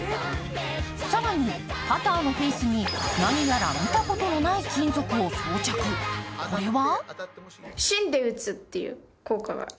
更に、パターのフェイスに何やら、見たことのない金属を装着、これは？